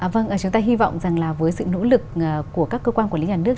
vâng chúng ta hy vọng rằng là với sự nỗ lực của các cơ quan quản lý nhà nước